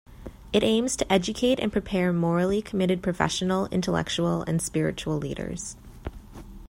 It aims to educate and prepare morally committed professional, intellectual, and spiritual leaders.